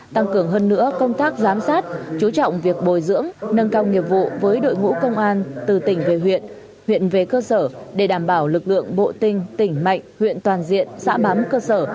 tăng cường hơn nữa công tác giám sát chú trọng việc bồi dưỡng nâng cao nghiệp vụ với đội ngũ công an từ tỉnh về huyện huyện về cơ sở để đảm bảo lực lượng bộ tinh tỉnh mạnh huyện toàn diện xã bám cơ sở